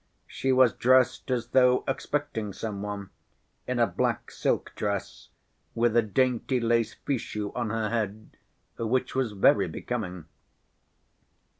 She was dressed as though expecting some one, in a black silk dress, with a dainty lace fichu on her head, which was very becoming.